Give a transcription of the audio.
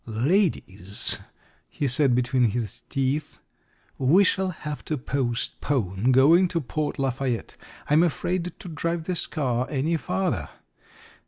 "Ladies," he said between his teeth, "we shall have to postpone going to Port Lafayette. I am afraid to drive this car any farther.